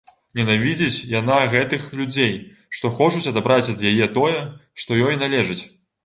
Ненавідзіць яна гэтых людзей, што хочуць адабраць ад яе тое, што ёй належыць.